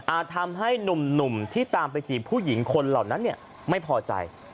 ทำให้หนุ่มที่ตามไปจีบผู้หญิงคนเหล่านั้นไม่พอใจ